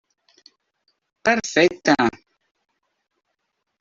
Perfecte!